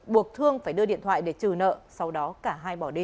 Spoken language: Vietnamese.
buộc thương phải đưa điện thoại để trừ nợ sau đó cả hai bỏ đi